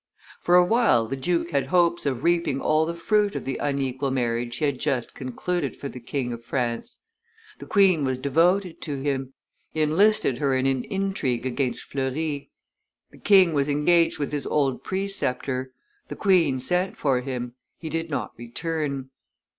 For a while the duke had hopes of reaping all the fruit of the unequal marriage he had just concluded for the King of France. The queen was devoted to him; he enlisted her in an intrigue against Fleury. The king was engaged with his old preceptor; the queen sent for him; he did not return.